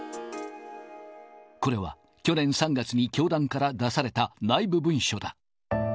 これは、去年３月に教団から出された内部文書だ。